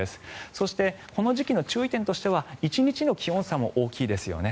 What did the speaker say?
そしてこの時期の注意点としては１日の気温差も大きいですよね。